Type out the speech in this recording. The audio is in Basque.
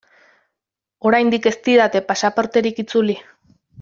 Oraindik ez didate pasaporterik itzuli.